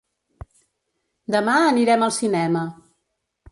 Demà anirem al cinema.